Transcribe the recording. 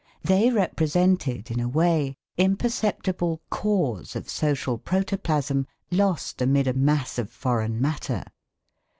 They represented, in a way, imperceptible cores of social protoplasm lost amid a mass of foreign matter.